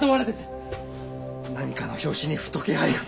何かの拍子にふと気配が。